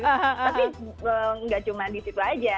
tapi nggak cuma di situ aja